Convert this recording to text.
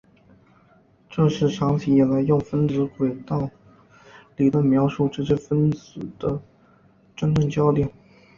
这是长期以来用分子轨道理论描述这些分子的争论焦点。